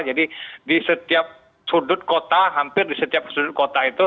jadi di setiap sudut kota hampir di setiap sudut kota itu